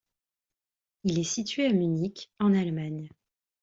Il est situé à Munich en Allemagne.